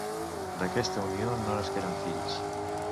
D'aquesta unió no nasqueren fills.